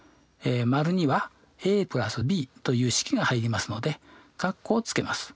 ○には＋ｂという式が入りますので括弧をつけます。